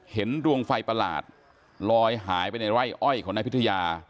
เห็นดวงไฟประหลาดลอยหายไปในไร่อ้อยของนายพิทยา